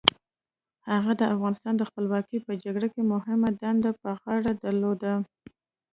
هغه د افغانستان د خپلواکۍ په جګړه کې مهمه دنده په غاړه درلوده.